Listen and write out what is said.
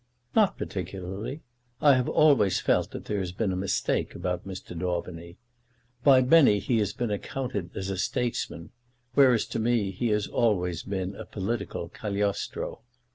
"Not particularly. I have always felt that there has been a mistake about Mr. Daubeny. By many he has been accounted as a statesman, whereas to me he has always been a political Cagliostro.